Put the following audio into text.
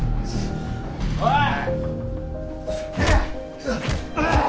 おい！